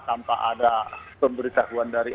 tanpa ada pemberitahuan dari